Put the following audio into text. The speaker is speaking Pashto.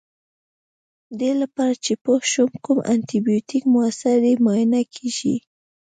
دې لپاره چې پوه شو کوم انټي بیوټیک موثر دی معاینه کیږي.